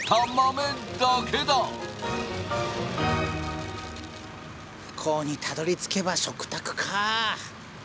向こうにたどりつけば食卓か。